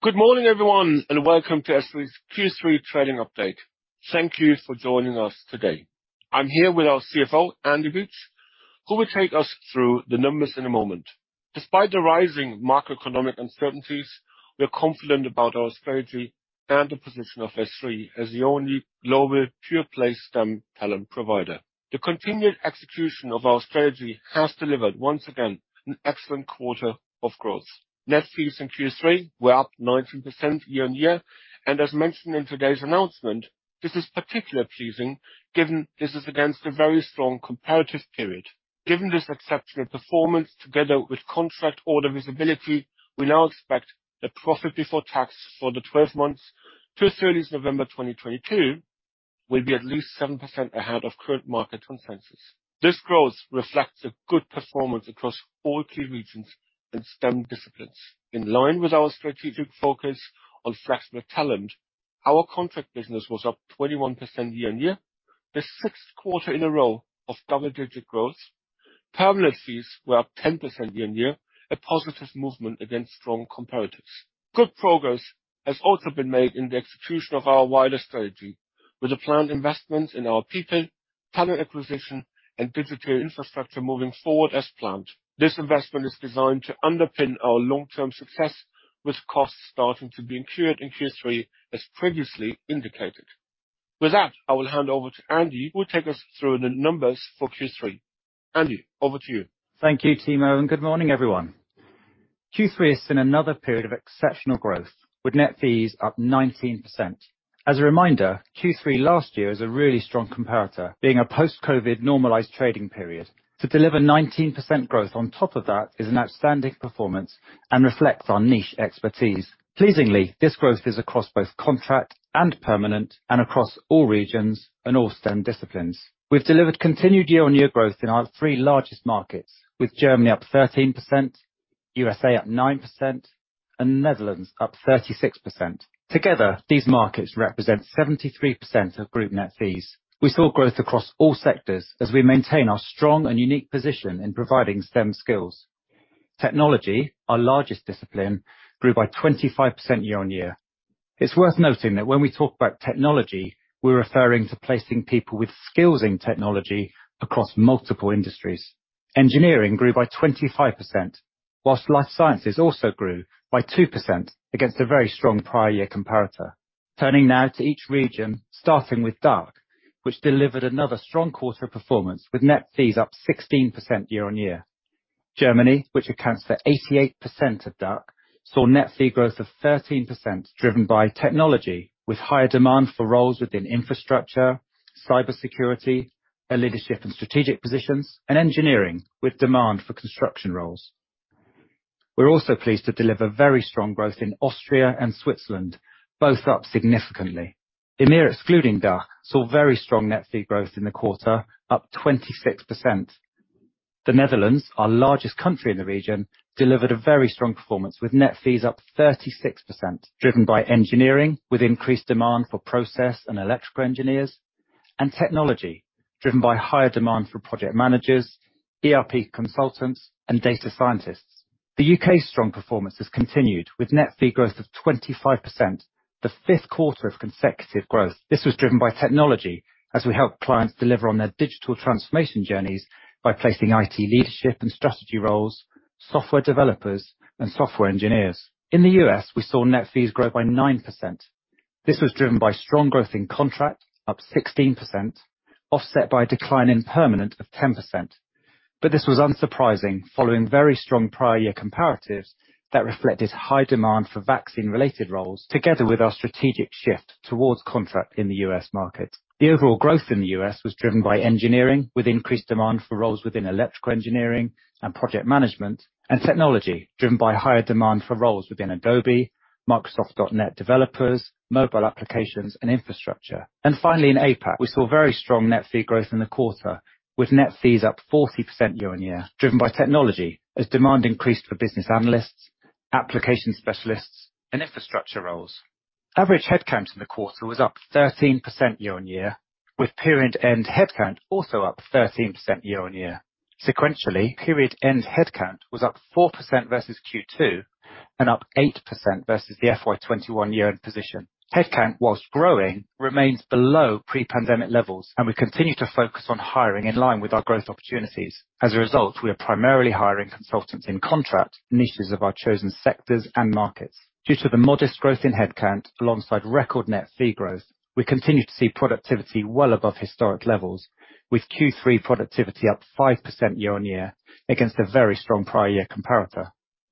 Good morning everyone, and welcome to SThree's Q3 trading update. Thank you for joining us today. I'm here with our CFO, Andrew Beach, who will take us through the numbers in a moment. Despite the rising macroeconomic uncertainties, we are confident about our strategy and the position of SThree as the only global pure-play STEM talent provider. The continued execution of our strategy has delivered, once again, an excellent quarter of growth. Net fees in Q3 were up 19% year-on-year, and as mentioned in today's announcement, this is particularly pleasing given this is against a very strong comparative period. Given this exceptional performance together with contract order visibility, we now expect the profit before tax for the 12 months to 30th November 2022 will be at least 7% ahead of current market consensus. This growth reflects a good performance across all key regions and STEM disciplines. In line with our strategic focus on flexible talent, our contract business was up 21% year-on-year. The sixth quarter in a row of double-digit growth. Permanent fees were up 10% year-on-year, a positive movement against strong comparatives. Good progress has also been made in the execution of our wider strategy with the planned investments in our people, talent acquisition, and digital infrastructure moving forward as planned. This investment is designed to underpin our long-term success, with costs starting to be incurred in Q3 as previously indicated. With that I will hand over to Andy who will take us through the numbers for Q3. Andy over to you. Thank you, Timo, and good morning, everyone. Q3 has seen another period of exceptional growth, with net fees up 19%. As a reminder, Q3 last year was a really strong comparator, being a post-COVID normalized trading period. To deliver 19% growth on top of that is an outstanding performance and reflects our niche expertise. Pleasingly, this growth is across both contract and permanent, and across all regions and all STEM disciplines. We've delivered continued year-on-year growth in our three largest markets, with Germany up 13%, USA up 9%, and Netherlands up 36%. Together, these markets represent 73% of group net fees. We saw growth across all sectors as we maintain our strong and unique position in providing STEM skills. Technology, our largest discipline, grew by 25% year-on-year. It's worth noting that when we talk about technology, we're referring to placing people with skills in technology across multiple industries. Engineering grew by 25%, while life sciences also grew by 2% against a very strong prior year comparator. Turning now to each region, starting with DACH, which delivered another strong quarter performance, with net fees up 16% year-on-year. Germany, which accounts for 88% of DACH, saw net fee growth of 13% driven by technology, with higher demand for roles within infrastructure, cybersecurity, and leadership and strategic positions and engineering with demand for construction roles. We're also pleased to deliver very strong growth in Austria and Switzerland, both up significantly. EMEA, excluding DACH, saw very strong net fee growth in the quarter, up 26%. The Netherlands, our largest country in the region, delivered a very strong performance, with net fees up 36%, driven by engineering with increased demand for process and electrical engineers and technology driven by higher demand for project managers, ERP consultants, and data scientists. The U.K.'s strong performance has continued with net fee growth of 25%, the fifth quarter of consecutive growth. This was driven by technology as we help clients deliver on their digital transformation journeys by placing I.T leadership and strategy roles, software developers and software engineers. In the U.S., we saw net fees grow by 9%. This was driven by strong growth in contract, up 16%, offset by a decline in permanent of 10%. This was unsurprising following very strong prior year comparatives that reflected high demand for vaccine-related roles, together with our strategic shift towards contract in the U.S. market. The overall growth in the U.S. was driven by engineering, with increased demand for roles within electrical engineering and project management and technology, driven by higher demand for roles within Adobe, Microsoft .NET developers, mobile applications and infrastructure. Finally, in APAC, we saw very strong net fee growth in the quarter, with net fees up 40% year-on-year, driven by technology as demand increased for business analysts, application specialists, and infrastructure roles. Average headcount in the quarter was up 13% year-on-year, with period end headcount also up 13% year-on-year. Sequentially, period end headcount was up 4% versus Q2 and up 8% versus the FY 2021 year-end position. Headcount, while growing, remains below pre-pandemic levels, and we continue to focus on hiring in line with our growth opportunities. As a result, we are primarily hiring consultants in contract, niches of our chosen sectors and markets. Due to the modest growth in headcount alongside record net fee growth, we continue to see productivity well above historic levels, with Q3 productivity up 5% year-on-year against a very strong prior year comparator.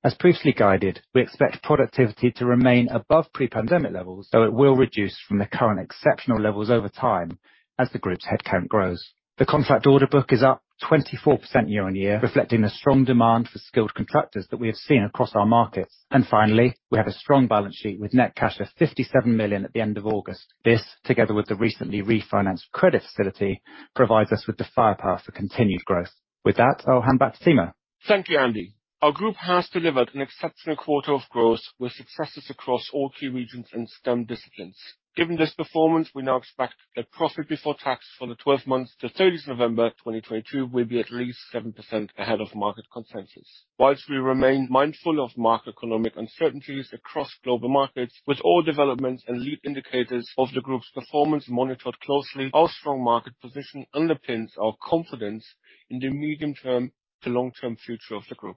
As previously guided, we expect productivity to remain above pre-pandemic levels, so it will reduce from the current exceptional levels over time as the group's headcount grows. The contractor order book is up 24% year-on-year, reflecting the strong demand for skilled contractors that we have seen across our markets. Finally, we have a strong balance sheet with net cash of 57 million at the end of August. This, together with the recently refinanced credit facility, provides us with the firepower for continued growth. With that, I'll hand back to Timo. Thank you Andy. Our group has delivered an exceptional quarter of growth with successes across all key regions and STEM disciplines. Given this performance, we now expect that profit before tax for the twelve months to thirtieth November 2022 will be at least 7% ahead of market consensus. While we remain mindful of macroeconomic uncertainties across global markets with all developments and lead indicators of the group's performance monitored closely, our strong market position underpins our confidence in the medium term to long-term future of the group.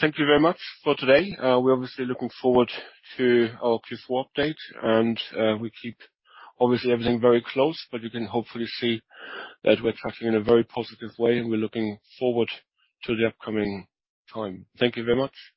Thank you very much for today. We're obviously looking forward to our Q4 update and, we keep obviously everything very close, but you can hopefully see that we're tracking in a very positive way and we're looking forward to the upcoming time. Thank you very much.